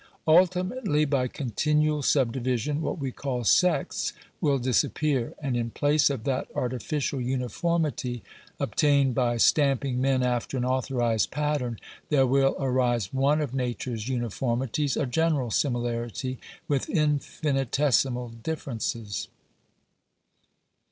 Ultimately, by continual sub division, what we call sects will disappear; and in place of F F 2 Digitized by VjOOQIC 430 GENERAL CONSIDERATIONS. that artificial uniformity, obtained by stamping men. after an authorized pattern, there will arise one of nature's uniformities — a general similarity, with infinitesimal differences.